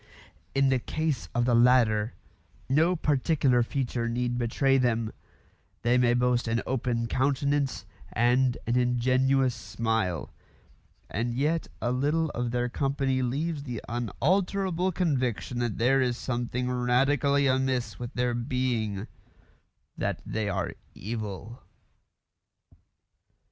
In the case of the latter, no particular feature need betray them; they may boast an open countenance and an ingenuous smile; and yet a little of their company leaves the unalterable conviction that there is something radically amiss with their being: that they are evil.